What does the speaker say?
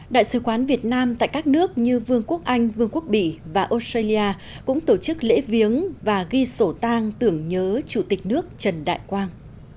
đại sứ quán việt nam tại các nước như vương quốc anh vương quốc bỉ và australia cũng tổ chức lễ viếng và ghi sổ tang tưởng nhớ chủ tịch nước trần đại quang